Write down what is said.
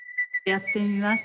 やってみます